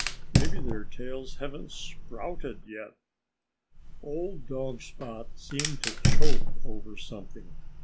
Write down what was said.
Maybe their tails haven't sprouted yet." Old dog Spot seemed to choke over something.